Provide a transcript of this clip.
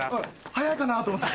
早いかなぁと思って。